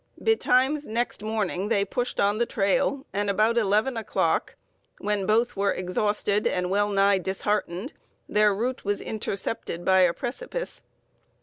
Betimes next morning they pushed on the trail, and about 11 o'clock, when both were exhausted and well nigh disheartened, their route was intercepted by a precipice.